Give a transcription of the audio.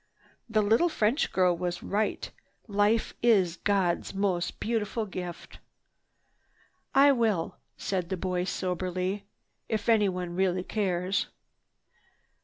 The little French girl was right—life is God's most beautiful gift." "I will," said the boy soberly, "if anyone really cares."